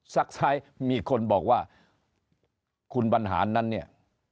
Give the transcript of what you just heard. ซักซ้ายมีคนบอกว่าคุณบรรหารนั้นเนี่ย